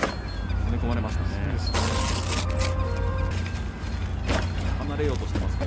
攻め込まれましたね。